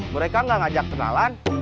mereka gak ngajak kenalan